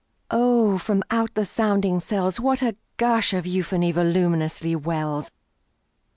Oh, from out the sounding cells, What a gush of euphony voluminously wells!